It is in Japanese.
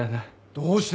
どうして！